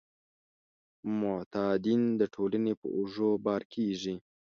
معتادین د ټولنې په اوږو بار کیږي.